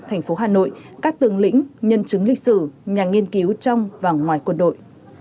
thành phố hà nội các tường lĩnh nhân chứng lịch sử nhà nghiên cứu trong và ngoài quân đội